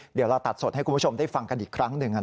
เดี๋ยวเราตัดสดให้คุณผู้ชมได้ฟังกันอีกครั้งหนึ่ง